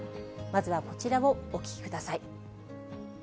まずはこちらをお聞きください。